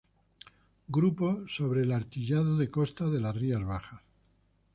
Grupo sobre el artillado de costa de las Rías Bajas